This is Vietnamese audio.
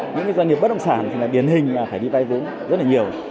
những cái doanh nghiệp bất động sản thì là biển hình mà phải đi vay vốn rất là nhiều